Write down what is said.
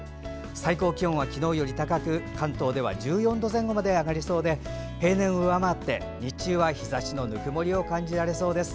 最高気温は昨日より高く関東では１４度前後まで上がりそうで平年を上回って、日中は日ざしのぬくもりを感じられそうです。